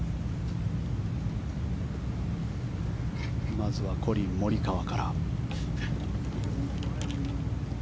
まずはコリン・モリカワから。